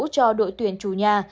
cho đội tuyển chủ nhà